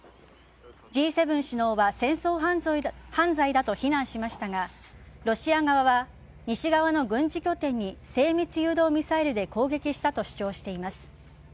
Ｇ７首脳は戦争犯罪だと非難しましたがロシア側は西側の軍事拠点に精密誘導ミサイルで攻撃したと主張しています。